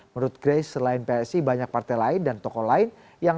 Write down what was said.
menurut grace selain psi banyak partai lain dan tokoh lain